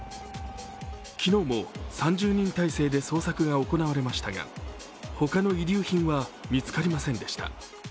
昨日も３０人態勢で捜索が行われましたが他の遺留品は、見つかりませんでした。